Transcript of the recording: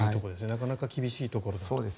なかなか厳しいところということで。